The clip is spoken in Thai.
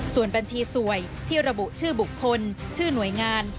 ส่วนบัญชีสวยที่ระบุชื่อบุคคลชื่อหน่วยงาน